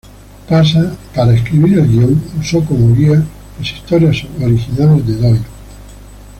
Para escribir el guion, usó como guía las historias originales de Doyle.